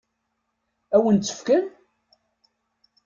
Ad wen-tt-fken?